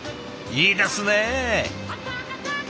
いいですね！